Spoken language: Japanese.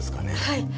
はい。